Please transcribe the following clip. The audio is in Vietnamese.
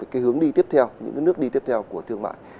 cái hướng đi tiếp theo những cái nước đi tiếp theo của thương mại